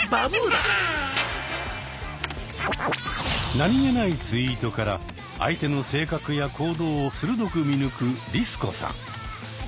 何気ないツイートから相手の性格や行動を鋭く見抜くリス子さん。